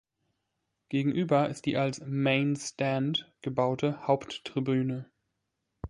Gegenüber ist die als "Main Stand" gebaute Haupttribüne.